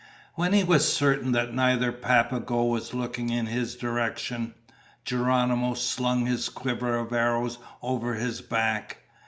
When he was certain that neither Papago was looking in his direction, Geronimo slung his quiver of arrows over his back.